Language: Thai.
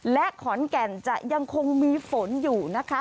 และขอนแก่นจะยังคงมีฝนอยู่นะคะ